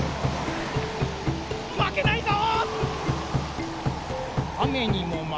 まけないぞ！